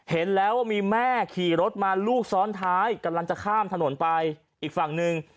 เห็นแล้วว่ามีแม่ขี่รถมาลูกซ้อนท้ายกำลังจะข้ามถนนไปอีกฝั่งหนึ่ง